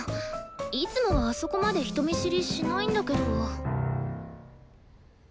いつもはあそこまで人見知りしないんだけど。